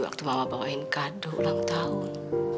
waktu mama bawain kado ulang tahun